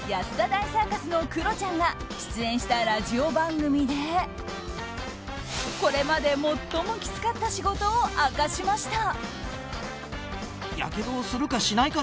大サーカスのクロちゃんが出演したラジオ番組でこれまで最もきつかった仕事を明かしました。